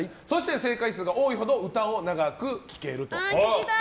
正解数が多いほど歌を長く聴けます。